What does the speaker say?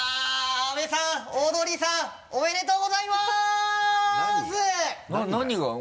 阿部さんオードリーさんおめでとうございます！